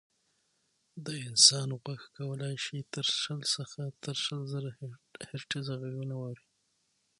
د انسان غوږ کولی شي شل څخه تر شل زره هیرټز غږونه واوري.